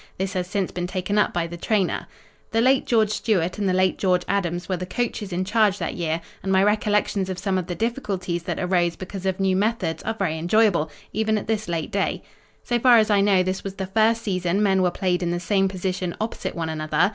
This has since been taken up by the trainer. "The late George Stewart and the late George Adams were the coaches in charge that year, and my recollections of some of the difficulties that arose because of new methods are very enjoyable even at this late day. So far as I know this was the first season men were played in the same position opposite one another.